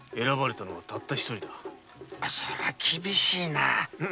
そりゃ厳しいな。